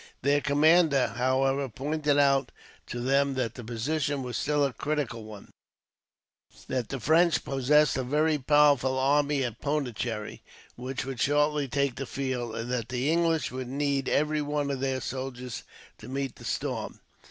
Their commander, however, pointed out to them that the position was still a critical one; that the French possessed a very powerful army at Pondicherry, which would shortly take the field; and that the English would need every one of their soldiers, to meet the storm.